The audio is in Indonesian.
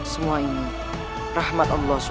semua ini rahmat allah swt